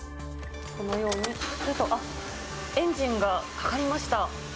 このようにすると、エンジンがかかりました。